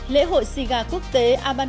lễ hội siga quốc tế